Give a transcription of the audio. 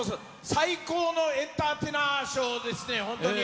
最高のエンターテイナーショーですね、本当に。